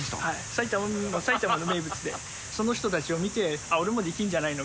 埼玉、埼玉の名物で、その人たちを見て、あっ、俺もできるんじゃないの？